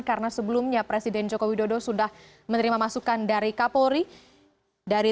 karena sebelumnya presiden joko widodo sudah menerima masukan dari kapolri